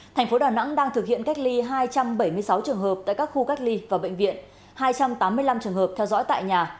thành phố đà nẵng đang thực hiện cách ly hai trăm bảy mươi sáu trường hợp tại các khu cách ly và bệnh viện hai trăm tám mươi năm trường hợp theo dõi tại nhà